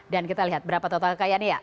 dan kita lihat berapa total kekayaannya ya